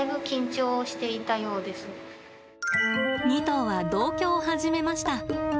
２頭は同居を始めました。